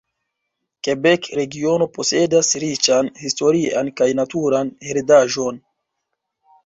Kebek-regiono posedas riĉan historian kaj naturan heredaĵon.